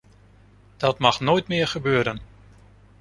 Dat mag nooit meer gebeuren.